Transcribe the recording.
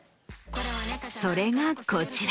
それがこちら。